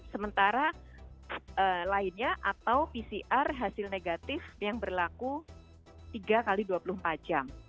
sementara lainnya atau pcr hasil negatif yang berlaku tiga x dua puluh empat jam